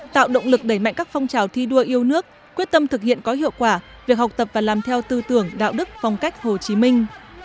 tạo động lực đẩy mạnh các phong trào thi đua yêu nước quyết tâm thực hiện có hiệu quả việc học tập và làm theo tư tưởng đạo đức phong cách hồ chí minh